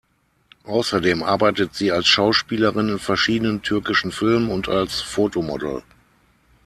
Außerdem arbeitet sie als Schauspielerin in verschiedenen türkischen Filmen und als Fotomodell.